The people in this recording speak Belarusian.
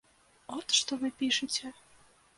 От што вы пішаце.